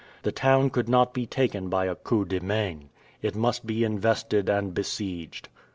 The town could not now be taken by a coup de main. It must be invested and besieged.